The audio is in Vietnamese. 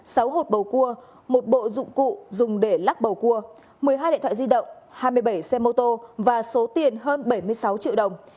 hai cân đồng hồ sáu hột bầu cua một bộ dụng cụ dùng để lắc bầu cua một mươi hai điện thoại di động hai mươi bảy xe mô tô và số tiền hơn bảy mươi sáu triệu đồng